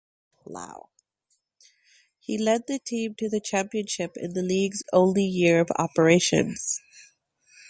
He led the team to the championship in the league's only year of operations.